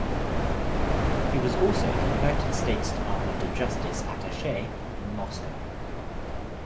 He was also the United States Department of Justice attache in Moscow.